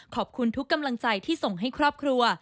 ขอบคุณทุกกำลังใจที่ส่งให้ครอบครัว